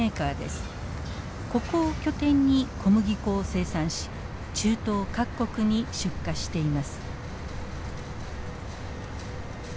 ここを拠点に小麦粉を生産し中東各国に出荷しています。